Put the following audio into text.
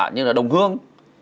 như là đồng hương